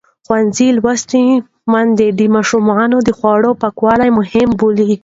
ښوونځې لوستې میندې د ماشومانو د خوړو پاکوالی مهم بولي.